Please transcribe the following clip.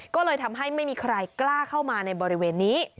ก็เลยทำให้ไม่มีใครกล้าเข้ามาในบริเวณนี้